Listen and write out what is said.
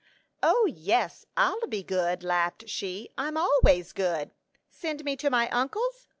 "O, yes! I'll be good!" laughed she; "I'm always good! Send me to my uncle's?